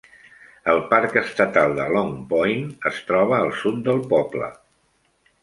El parc estatal de Long Point es troba al sud del poble.